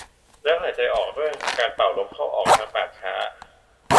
แล้วหายใจออกด้วยการเป่าลมออกทางปากช้า